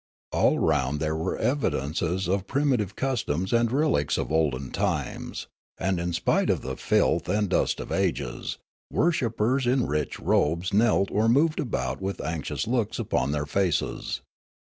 All round there were evidences Foolgar 225 of primitive customs and relics of olden times ; and, in spite of the filth and dust of ages, worshippers in rich robes knelt or moved about with anxious looks upon their faces.